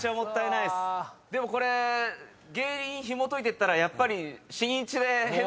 でもこれ原因ひもといていったらやっぱり。